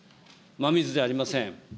真水じゃありません。